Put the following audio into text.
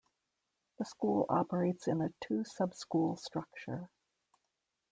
The school operates in a two sub-school structure.